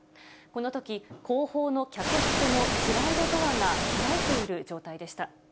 このとき、後方の客室のスライドドアが開いている状態でした。